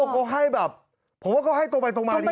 เขาให้แบบผมว่าเขาให้ตรงไปตรงมาดี